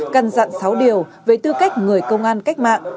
căn dặn sáu điều về tư cách người công an cách mạng